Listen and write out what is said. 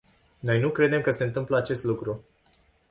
Noi nu credem că se întâmplă acest lucru.